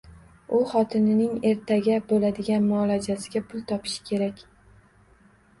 U xotinining ertaga boʻladigan muolajasiga pul toppish kerak.